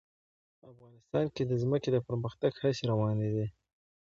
افغانستان کې د ځمکه د پرمختګ هڅې روانې دي.